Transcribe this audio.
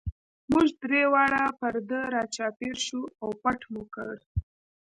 موږ درې واړه پر ده را چاپېر شو او پټ مو کړ.